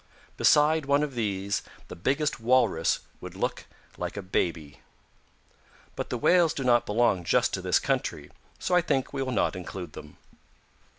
Beside one of these, the biggest Walrus would look like a baby. But the Whales do not belong just to this country, so I think we will not include them.